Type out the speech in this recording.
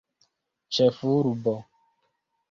ĉefurbo